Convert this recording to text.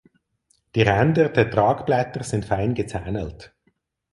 Die Ränder der Tragblätter sind fein gezähnelt.